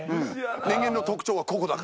人間の特徴はここだから。